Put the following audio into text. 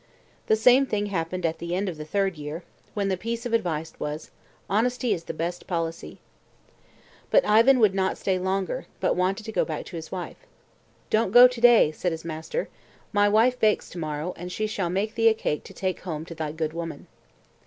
The same thing happened at the end of the third year, when the piece of advice was: "Honesty is the best policy." But Ivan would not stay longer, but wanted to go back to his wife. "Don't go to day," said his master; "my wife bakes to morrow, and she shall make thee a cake to take home to thy good woman."